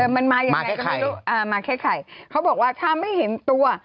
มันมายังไงก็ไม่รู้มาแค่ใครเขาบอกว่าถ้าไม่เห็นตัว